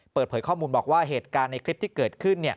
เปิดเผยข้อมูลบอกว่าเหตุการณ์ในคลิปที่เกิดขึ้น